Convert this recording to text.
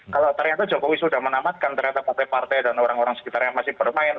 kalau ternyata jokowi sudah menamatkan ternyata partai partai dan orang orang sekitar yang masih bermain